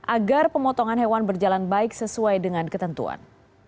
agar pemotongan hewan berjalan baik sesuai dengan ketentuan